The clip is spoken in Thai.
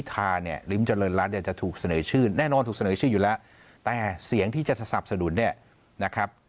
แต่เสียงที่จะทราบสะดุลนะครับ